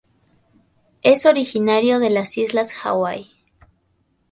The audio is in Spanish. Es originario de las Islas Hawái.